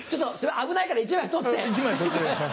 危ないから１枚取って！